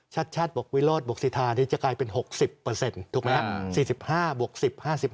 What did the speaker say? ชาติชาติบวกวิโรธบวกศรีธารณีจะกลายเป็น๖๐ถูกมั้ยครับ